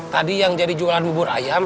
tadi yang jadi jualan bubur ayam